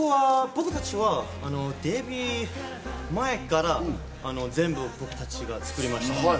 僕たちはデビュー前から全部僕たちが作りました。